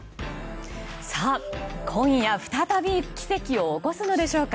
今夜、再び奇跡を起こすのでしょうか。